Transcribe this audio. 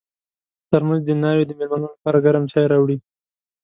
ترموز د ناوې د مېلمنو لپاره ګرم چای راوړي.